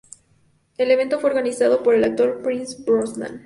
El evento fue organizado por el actor Pierce Brosnan.